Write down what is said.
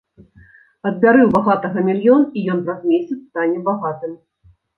Адбяры ў багатага мільён, і ён праз месяц стане багатым.